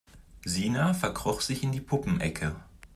Sina verkroch sich in die Puppenecke.